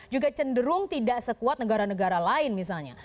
juga cenderung tidak sekuat negara negara lain misalnya